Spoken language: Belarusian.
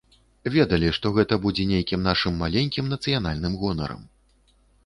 Ведалі, што гэта будзе нейкім нашым маленькім нацыянальным гонарам.